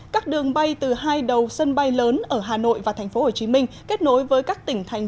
các đường bay từ hai đầu sân bay lớn ở hà nội và tp hcm kết nối với các tỉnh thành